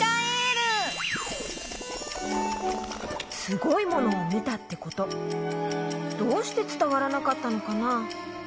すごいものをみたってことどうしてつたわらなかったのかな？